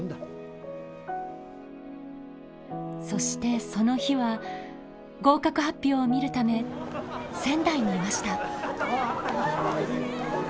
そしてその日は合格発表を見るため仙台にいました。